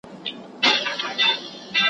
په وېش ور رسېدلی په ازل کي فکر شل دی ,